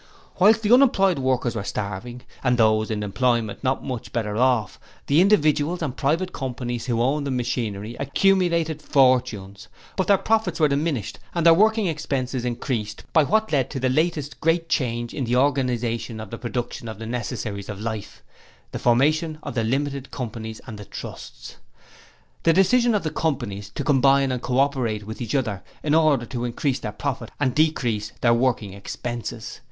'Whilst the unemployed workers were starving and those in employment not much better off, the individuals and private companies who owned the machinery accumulated fortunes; but their profits were diminished and their working expenses increased by what led to the latest great change in the organization of the production of the necessaries of life the formation of the Limited Companies and the Trusts; the decision of the private companies to combine and co operate with each other in order to increase their profits and decrease their working expenses.